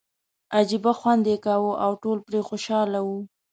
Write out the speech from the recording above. عجیبه خوند یې کاوه او ټول پرې خوشاله وو.